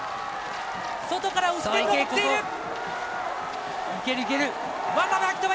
外から追っている！